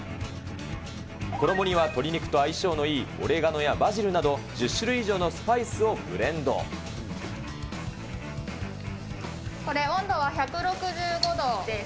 衣には鶏肉と相性のいいオレガノやバジルなど１０種類以上のスパこれ、温度は１６５度です。